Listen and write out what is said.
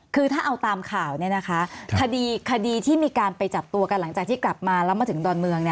คือถ้าเอาตามข่าวคดีที่มีการไปจับตัวกันหลังจากที่กลับมาแล้วมาถึงดอนเมือง